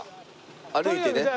歩いてね。